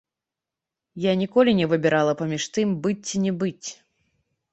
Я ніколі не выбірала паміж тым быць ці не быць.